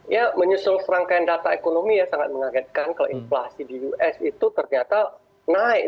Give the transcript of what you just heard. ya menyusul serangkaian data ekonomi ya sangat mengagetkan kalau inflasi di us itu ternyata naik